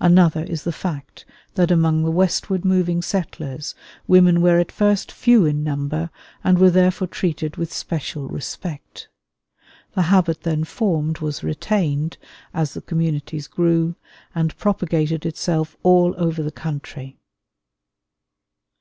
Another is the fact that among the westward moving settlers women were at first few in number, and were therefore treated with special respect. The habit then formed was retained as the communities grew, and propagated itself all over the country.